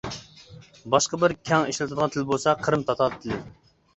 باشقا بىر كەڭ ئىشلىتىدىغان تىل بولسا قىرىم تاتار تىلى.